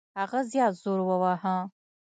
هغه زیات زور وواهه.